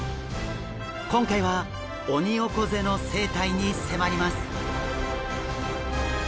今回はオニオコゼの生態に迫ります。